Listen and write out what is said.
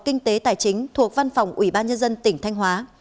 kinh tế tài chính thuộc văn phòng ủy ban nhân dân tỉnh thanh hóa